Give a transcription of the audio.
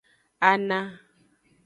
Ana.